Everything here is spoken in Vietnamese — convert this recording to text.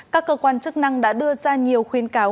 các cơ quan chức năng đã đưa ra nhiều khuyến cáo